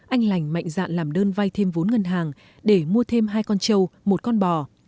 anh lành mạnh dạn làm đơn vay thêm vốn ngân hàng để mua thêm hai con trâu một con bò